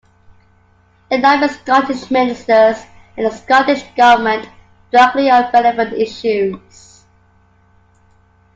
It lobbies Scottish Ministers and the Scottish Government directly on relevant issues.